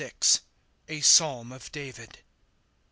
[A Psalm] of David.